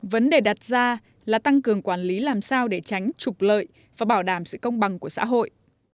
vấn đề đặt ra là tăng cường quản lý làm sao để tránh trục lợi và bảo đảm sự công bằng của xã hội